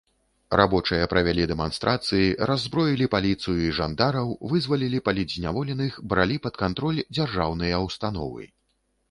Рабочыя правялі дэманстрацыі, раззброілі паліцыю і жандараў, вызвалілі палітзняволеных, бралі пад кантроль дзяржаўныя ўстановы.